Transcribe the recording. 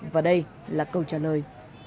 và đây là câu trả lời